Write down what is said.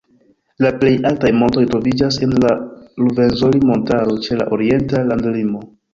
La plej altaj montoj troviĝas en la Ruvenzori-montaro ĉe la orienta landlimo.